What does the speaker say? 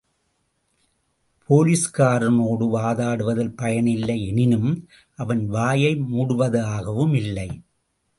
போலீஸ்காரனோடு வாதாடுவதில் பயனில்லை யெனினும் அவன் வாயை மூடுவதாகவும் இல்லை.